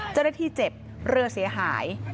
เจ้าหน้าที่เจ็บเรือเสียหาย